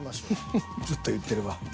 ふふっずっと言ってるわ。